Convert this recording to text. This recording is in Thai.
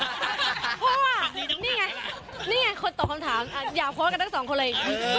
เพราะว่านี่ไงนี่ไงคนตอบคำถามอย่าโพสต์กันทั้งสองคนเลย